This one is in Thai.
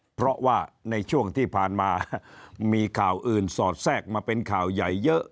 เพราะว่าในช่วงที่ผ่านมามีข่าวอื่นสอดแทรกมาเป็นข่าวใหญ่เยอะ